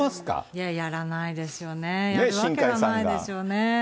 いや、やらないですよね、やるわけがないですよね。